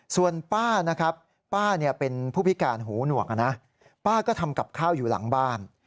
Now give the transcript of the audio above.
ส่วนป้านะครับป้าเป็นผู้พิการหูหนวกป้าก็ทำกับข้าวอยู่หลังบ้าน